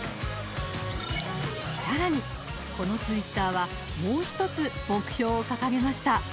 さらに、このツイッターはもう一つ目標を掲げました。